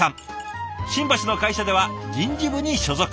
新橋の会社では人事部に所属。